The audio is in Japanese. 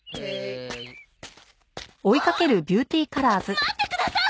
待ってください！